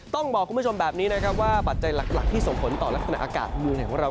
ต้องบอกคุณผู้ชมแบบนี้นะครับว่าปัจจัยหลักที่ส่งผลต่อลักษณะอากาศเมืองไหนของเรา